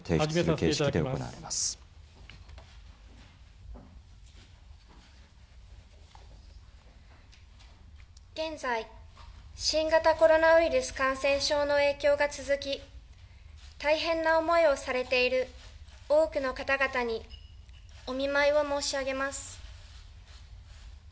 それでは始めさせていただき現在、新型コロナウイルス感染症の影響が続き、大変な思いをされている多くの方々にお見舞いを申し上げます。